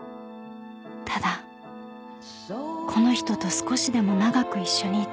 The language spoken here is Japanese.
［ただこの人と少しでも長く一緒にいたい］